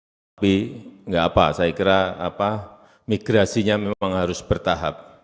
tapi nggak apa saya kira migrasinya memang harus bertahap